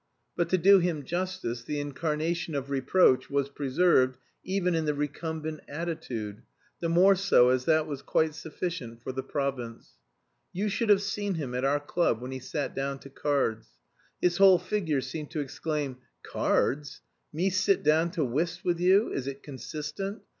But, to do him justice, the "incarnation of reproach" was preserved even in the recumbent attitude, the more so as that was quite sufficient for the province. You should have seen him at our club when he sat down to cards. His whole figure seemed to exclaim "Cards! Me sit down to whist with you! Is it consistent?